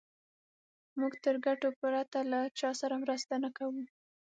موږ تر ګټو پرته له چا سره مرسته نه کوو.